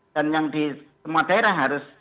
dan yang di semua daerah harus